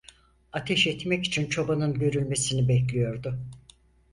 Ateş etmek için çobanın görülmesini bekliyordu.